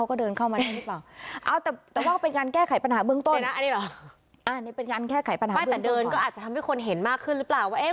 อันนี้เป็นงั้นแก้ไขปัญหาเบื้องต้นก็อาจจะทำให้คนเห็นมากขึ้นหรือเปล่าว่าเอ๊ะ